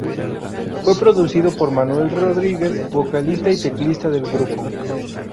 Fue producido por Manuel Rodríguez, vocalista y teclista del grupo.